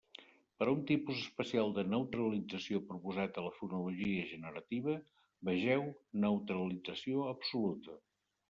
Per a un tipus especial de neutralització proposat a la fonologia generativa, vegeu neutralització absoluta.